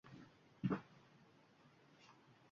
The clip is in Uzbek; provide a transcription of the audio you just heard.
deya yig`lagancha onasining elkasiga boshini qo`ydi